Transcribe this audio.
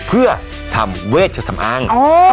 เพื่อทำเวชสำอาง